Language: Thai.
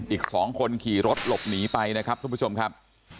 อีก๒คนขี่รถหลบหนีไปนะครับทุกผู้ชมครับ